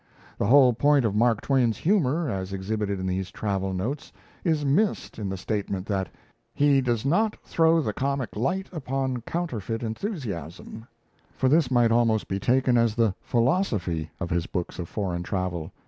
The whole point of Mark Twain's humour, as exhibited in these travel notes, is missed in the statement that "he does not throw the comic light upon counterfeit enthusiasm" for this might almost be taken as the "philosophy" of his books of foreign travel.